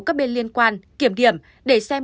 các bên liên quan kiểm điểm để xem